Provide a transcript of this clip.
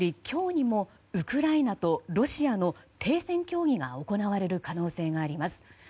今日にもウクライナとロシアの停戦協議が行われる可能性があります。